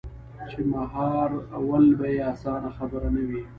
چـې مـهار ول بـه يـې اسـانه خبـره نـه وي.